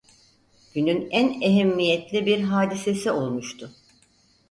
Günün en ehemmiyetli bir hadisesi olmuştu.